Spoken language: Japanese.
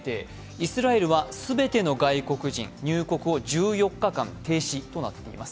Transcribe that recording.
イスラエルは全ての外国人、入国を１４日間停止となっています。